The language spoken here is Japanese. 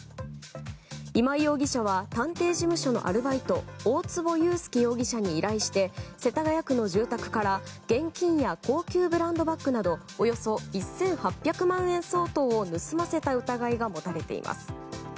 今井容疑者は探偵事務所のアルバイト大坪裕介容疑者に依頼して世田谷区の住宅から現金や高級ブランドバッグなどおよそ１８００万円相当を盗ませた疑いが持たれています。